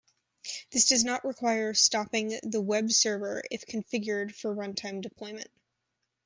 This does not require stopping the web server if configured for runtime deployment.